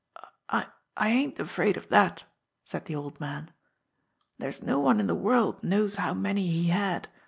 "I I ain't afraid of that," said the old man. "There's no one in the world knows how many he had.